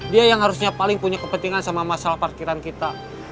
dia yang harusnya paling punya kepentingan sama masalah parkiran kita